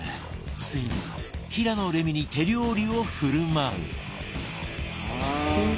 ついに平野レミに手料理を振る舞う